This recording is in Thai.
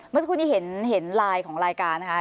เมื่อสักครู่นี้เห็นไลน์ของรายการนะคะ